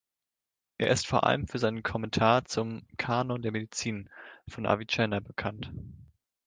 Er ist vor allem für seinen Kommentar zum „Kanon der Medizin“ von Avicenna bekannt.